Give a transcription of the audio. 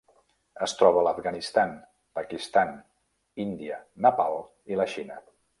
Es troba a l'Afganistan, Pakistan, Índia, Nepal i la Xina.